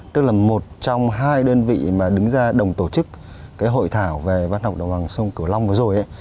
tức là một trong hai đơn vị mà đứng ra đồng tổ chức cái hội thảo về văn học đồng bằng sông cửu long vừa rồi